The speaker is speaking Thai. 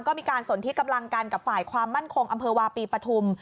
ก็มีการสนที่กำลังกันกับฝ่ายความมั่นคงอำเภอวาปีปฐุม